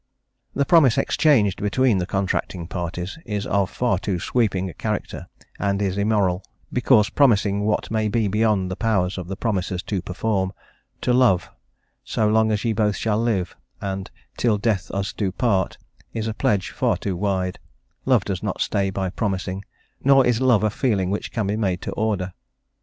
The promise exchanged between the contracting parties is of far too sweeping a character, and is immoral, because promising what may be beyond the powers of the promisers to perform; "to love" "so long as ye both shall live," and "till death us do part," is a pledge far too wide; love does not stay by promising, nor is love a feeling which can be made to order.